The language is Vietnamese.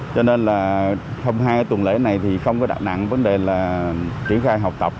cho nên là hôm hai tuần lễ này thì không có đạo nặng vấn đề là triển khai học tập